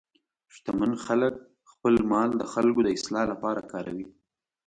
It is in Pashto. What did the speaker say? شتمن خلک خپل مال د خلکو د اصلاح لپاره کاروي.